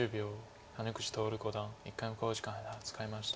谷口徹五段１回目の考慮時間使いました。